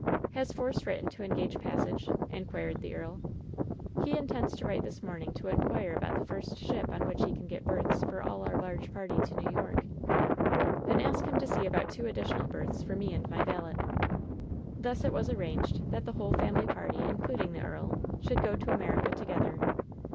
"Has Force written to engage passage?" inquired the earl. S6 WHEN SHADOWS DIE "He intends to write this morning to inquire about the first ship on which he can get berths for. all our large party to New York." "Then ask him to see about two additional berths for mo and my valet.'^ Thus it was arranged that the whole family party, in cluding the earl, should go to America together.